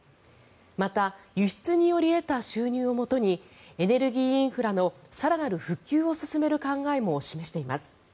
また輸出により得た収入をもとにエネルギーインフラの更なる復旧を進める考えも示しています。